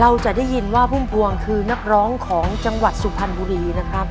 เราจะได้ยินว่าพุ่มพวงคือนักร้องของจังหวัดสุพรรณบุรีนะครับ